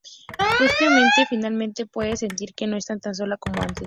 Justice finalmente puede sentir que no está tan sola como antes.